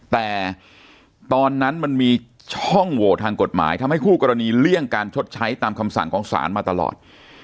แต่ตอนนั้นมันมีช่องโหวตทางกฎหมายทำให้คู่กรณีเลี่ยงการชดใช้ตามคำสั่งของศาลมาตลอด